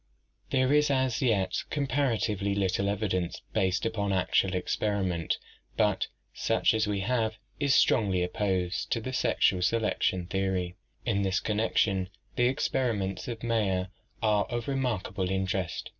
— There is as yet comparatively little evidence based upon actual experiment, but such as we have is strongly opposed to the sexual selection theory. In this connection the experiments of Mayer are of remarkable interest.